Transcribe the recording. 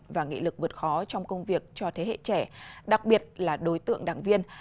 và nghị lực vượt khó trong công việc cho thế hệ trẻ đặc biệt là đối tượng đảng viên